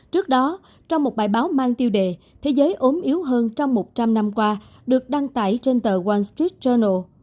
trước đó trong một bài báo mang tiêu đề thế giới ốm yếu hơn trong một trăm linh năm qua được đăng tải trên tờ wall street journal